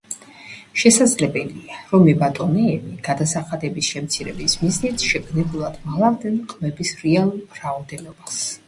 შესაძლებელია, რომ მებატონეები, გადასახადების შემცირების მიზნით, შეგნებულად მალავდნენ ყმების რეალურ რაოდენობას.